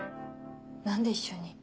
何で一緒に？